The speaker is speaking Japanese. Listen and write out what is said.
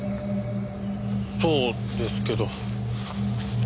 そうですけど。